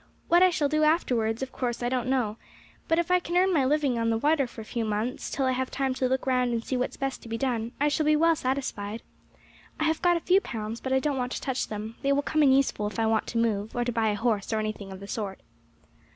What I shall do afterwards of course I do not know; but if I can earn my living on the water for a few months, till I have time to look round and see what is best to be done, I shall be well satisfied. I have got a few pounds, but I don't want to touch them; they will come in useful if I want to move, or to buy a horse, or anything of that sort."